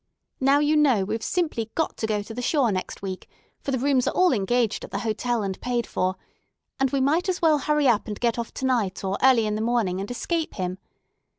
Now you know we've simply got to go to the shore next week, for the rooms are all engaged at the hotel, and paid for; and we might as well hurry up and get off to night or early in the morning, and escape him.